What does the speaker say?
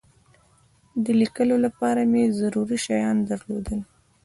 د لیکلو لپاره مې ضروري شیان درلودل.